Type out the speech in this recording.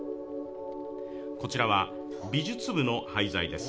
こちらは美術部の廃材です。